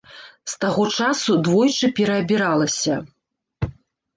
З таго часу двойчы пераабіралася.